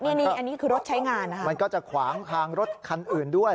อันนี้อันนี้คือรถใช้งานนะคะมันก็จะขวางทางรถคันอื่นด้วย